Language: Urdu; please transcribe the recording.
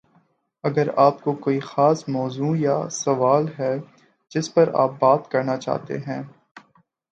اگر آپ کو کوئی خاص موضوع یا سوال ہے جس پر آپ بات کرنا چاہتے ہیں